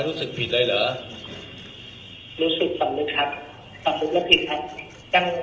รู้สึกสำนึกและต้องเสียใจกับการกระทับครับ